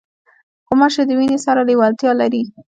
غوماشې د وینې سره لیوالتیا لري.